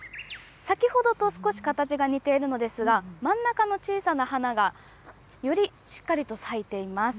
先ほどと少し形が似ているのですが、真ん中の小さな花がよりしっかりと咲いています。